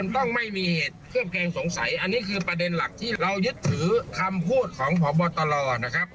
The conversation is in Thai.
ต้องไม่มีเหตุเคลือบแคลงสงสัยอันนี้คือประเด็นหลักที่เรายึดถือคำพูดของพบตรนะครับ